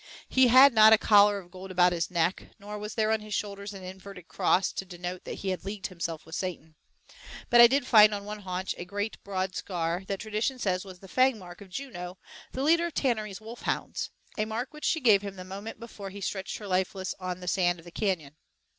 He had not a collar of gold about his neck, nor was there on his shoulders an inverted cross to denote that he had leagued himself with Satan. But I did find on one haunch a great broad scar, that tradition says was the fang mark of Juno, the leader of Tannerey's wolf hounds a mark which she gave him the moment before he stretched her lifeless on the sand of the canyon.